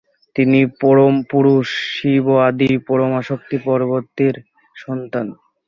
তিনি পরম পুরুষ শিব ও আদি পরাশক্তি পার্বতীর সন্তান।